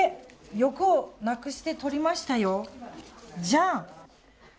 欲をなくして取りましたよ。